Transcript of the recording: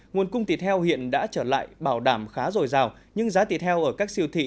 nguồn cung thịt heo hiện đã trở lại bảo đảm khá dồi dào nhưng giá thịt heo ở các siêu thị